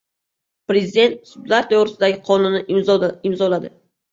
Prezident "Sudlar to‘g‘risida"gi qonunni imzoladi